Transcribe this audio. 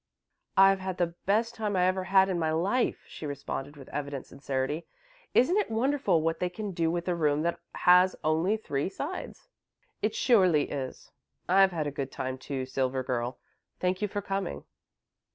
"I've had the best time I ever had in my life," she responded, with evident sincerity. "Isn't it wonderful what they can do with a room that has only three sides?" "It surely is. I've had a good time, too, Silver Girl. Thank you for coming."